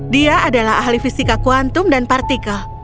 dia adalah ahli fisika kuantum dan partikel